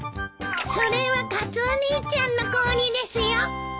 それはカツオ兄ちゃんの氷ですよ。